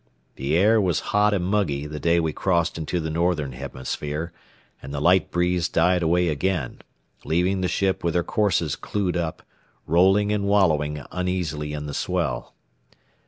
The air was hot and muggy the day we crossed into the northern hemisphere, and the light breeze died away again, leaving the ship with her courses clewed up, rolling and wallowing uneasily in the swell.